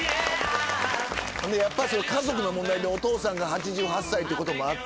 やっぱ家族の問題でお父さんが８８歳ってこともあって。